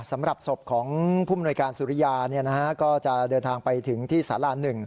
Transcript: สำหรับศพของผู้มนวยการสุริยาก็จะเดินทางไปถึงที่สารา๑